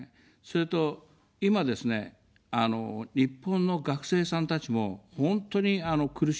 それと、今ですね、日本の学生さんたちも本当に苦しいと。